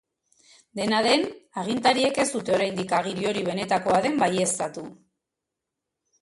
Dena den, agintariek ez dute oraindik agiri hori benetakoa den baieztatu.